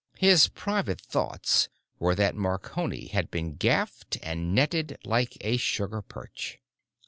His private thoughts were that Marconi had been gaffed and netted like a sugar perch.